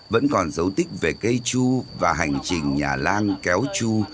vẫn còn dấu tích về cây chu và hành trình nhà lan kéo chu